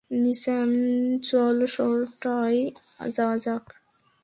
Nissan, চল, শহরটায় যাওয়া যাক।